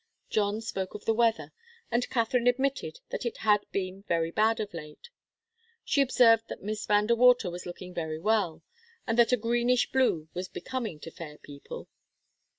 John spoke of the weather, and Katharine admitted that it had been very bad of late. She observed that Miss Van De Water was looking very well, and that a greenish blue was becoming to fair people.